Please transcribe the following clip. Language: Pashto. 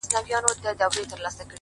صبر د بریا اوږده پټه لاره ده’